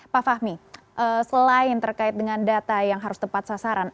pak fahmi selain terkait dengan data yang harus tepat sasaran